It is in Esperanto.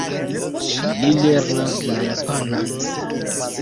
Li lernas la japanan.